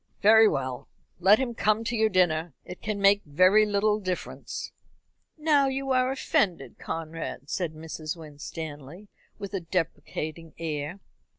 "Very well, let him come to your dinner. It can make very little difference." "Now you are offended, Conrad," said Mrs. Winstanley, with a deprecating air.